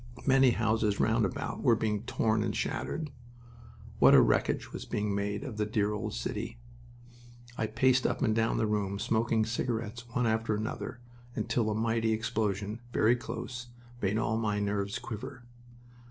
Many houses round about were being torn and shattered. What a wreckage was being made of the dear old city! I paced up and down the room, smoking cigarettes, one after another, until a mighty explosion, very close, made all my nerves quiver.